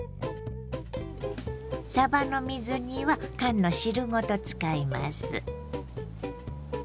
さばの水煮は缶の汁ごと使います。